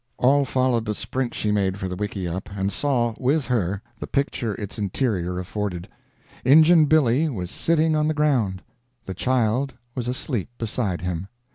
All followed the sprint she made for the wickieup, and saw, with her, the picture its interior afforded. Injun Billy was sitting on the ground; the child was asleep beside him.